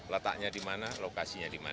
letaknya di mana lokasinya di mana